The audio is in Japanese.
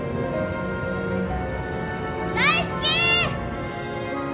大好き！